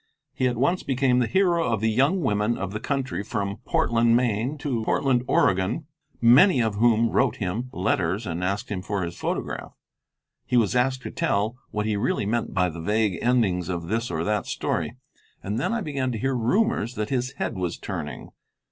He at once became the hero of the young women of the country from Portland, Maine, to Portland, Oregon, many of whom wrote him letters and asked him for his photograph. He was asked to tell what he really meant by the vague endings of this or that story. And then I began to hear rumors that his head was turning.